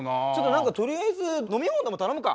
何かとりあえず飲み物でも頼むか。